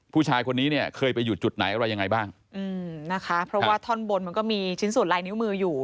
ผู้ชายคนนี้เนี่ยเคยไปอยู่จุดไหนอะไรยังไงบ้างอืมนะคะเพราะว่าท่อนบนมันก็มีชิ้นส่วนลายนิ้วมืออยู่